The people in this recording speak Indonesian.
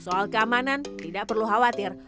soal keamanan tidak perlu khawatir